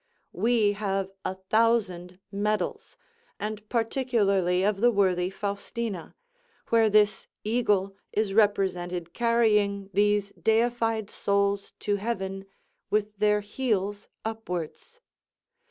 We have a thousand medals, and particularly of the worthy Faustina, where this eagle is represented carrying these deified souls to heaven with their heels upwards.